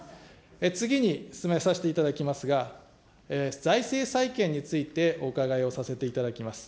次に進めさせていただきますが、財政再建についてお伺いをさせていただきます。